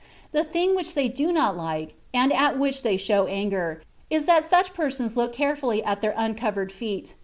The one thing which they do not like, and at which they show anger, is that such persons look carefully at their uncovered feet....